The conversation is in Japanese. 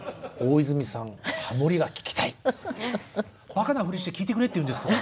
バカなフリして聞いてくれって言うんですよ。